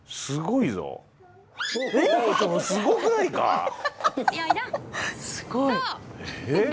すごい。え。